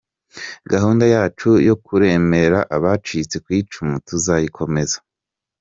Gahunda yacu yo kuremera abacitse ku icumu tuzayikomeza.